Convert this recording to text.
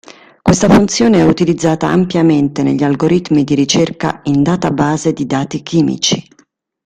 Questa funzione è utilizzata ampiamente negli algoritmi di ricerca in database di dati chimici.